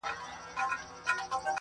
د تاریخي کرنې حشرات زیانمن وو.